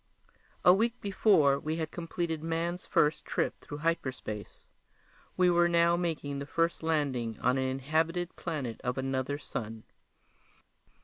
A week before we had completed man's first trip through hyperspace. We were now making the first landing on an inhabited planet of another sun.